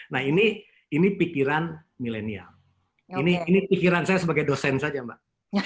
nah ini pikiran milenial ini pikiran saya sebagai dosen saja mbak